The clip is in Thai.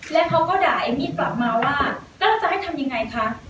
แล้วเขาก็ด่าเอมมี่กลับมาว่าแล้วเราจะไม่ทำยังไงคะ